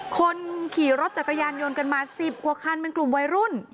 คนขี่รถจักรยานยนต์กันมา๑๐กว่าคันเป็นกลุ่มวัยรุ่น